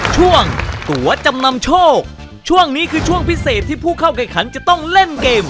ช่วงตัวจำนำโชคช่วงนี้คือช่วงพิเศษที่ผู้เข้าแข่งขันจะต้องเล่นเกม